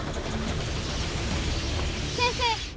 先生